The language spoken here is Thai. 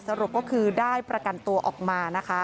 สรุปก็คือได้ประกันตัวออกมานะคะ